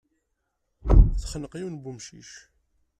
Texneq yiwen n wemcic.